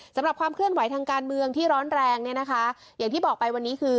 สำหรับความเคลื่อนไหวทางการเมืองที่ร้อนแรงอย่างที่บอกไปวันนี้คือ